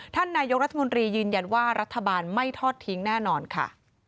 ท่านนายกรัฐมนตรียืนยันว่ารัฐบาลไม่ทอดทิ้งแน่นอนค่ะ